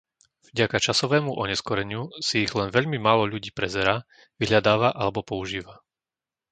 Vďaka časovému oneskoreniu si ich len veľmi málo ľudí prezerá, vyhľadáva alebo používa.